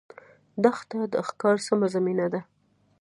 دښته د ښکار سمه زمینه ده.